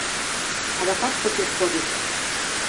— Адакат почеш кодыч.